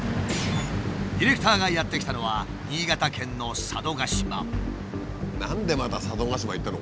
ディレクターがやって来たのは何でまた佐渡島行ったの？